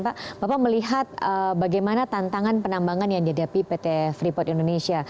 pak bapak melihat bagaimana tantangan penambangan yang dihadapi pt freeport indonesia